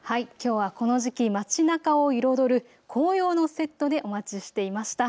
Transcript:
きょうはこの時期、街なかを彩る紅葉のセットでお待ちしていました。